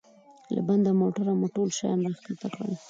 له بند موټره مو ټول شیان را کښته کړل.